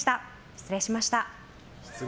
失礼しました。